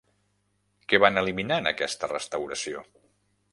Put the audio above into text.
Què van eliminar en aquesta restauració?